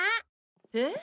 えっ？